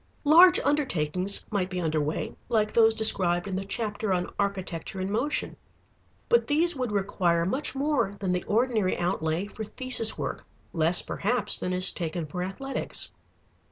Large undertakings might be under way, like those described in the chapter on Architecture in Motion. But these would require much more than the ordinary outlay for thesis work, less, perhaps, than is taken for Athletics.